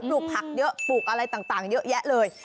ลูกผักเยอะปลูกอะไรต่างเยอะแยะเลย